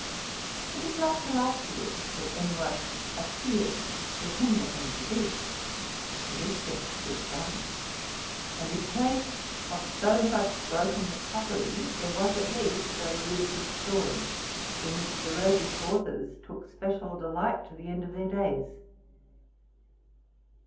It was not till afterwards that any one appeared to hinder and forbid. The mischief was done; and, in place of so much broken crockery, there was at least a ludicrous story, in which the roguish authors took special delight to the end of their days.